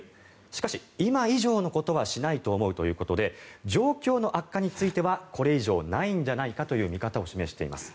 しかし、今以上のことはしないと思うということで状況の悪化についてはこれ以上ないんじゃないかという見方を示しています。